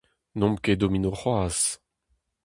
N'omp ket domino c'hoazh.